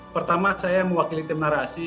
pertama saya mewakili tim narasi